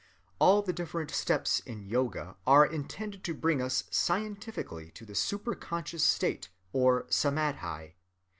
All the different steps in yoga are intended to bring us scientifically to the superconscious state or samâdhi....